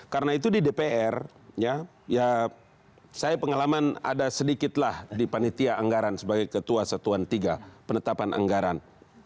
karena itu di dpr ya saya pengalaman ada sedikitlah di panitia anggaran sebagai ketua satuan tiga penetapan anggaran